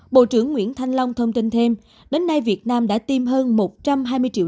bộ trưởng nguyễn thanh long thông tin thêm đến nay việt nam đã tiêm hơn một trăm hai mươi triệu